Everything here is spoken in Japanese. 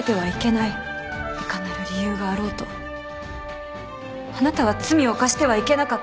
いかなる理由があろうとあなたは罪を犯してはいけなかった。